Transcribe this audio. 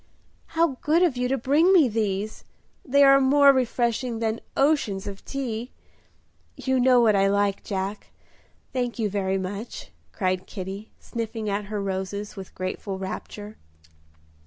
"How good of you to bring me these! They are more refreshing than oceans of tea. You know what I like, Jack; thank you very much" cried Kitty, sniffing at her roses with grateful rapture.